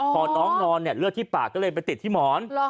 พอน้องนอนเนี่ยเลือดที่ปากก็เลยไปติดที่หมอน